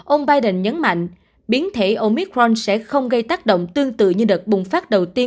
ông biden nhấn mạnh biến thể omicron sẽ không gây tác động tương tự như đợt bùng phát đầu tiên